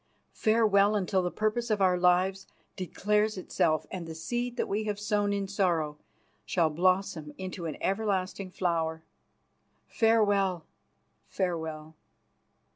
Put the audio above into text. Farewell, until the purpose of our lives declares itself and the seed that we have sown in sorrow shall blossom into an everlasting flower. Farewell. Farewell!"